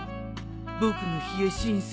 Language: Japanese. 僕のヒヤシンス